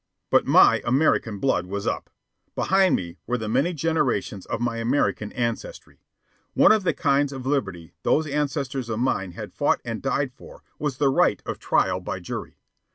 But my American blood was up. Behind me were the many generations of my American ancestry. One of the kinds of liberty those ancestors of mine had fought and died for was the right of trial by jury.